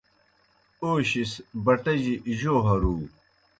اوشِیْس بٹِجیْ جو ہرُو